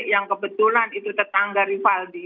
yang kebetulan itu tetangga rivaldi